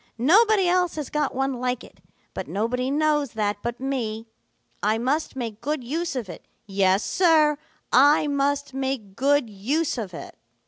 Nobody else has got one like it, but nobody knows that but me. I must make good use of it. Yes, Sir, I must make good use of it.'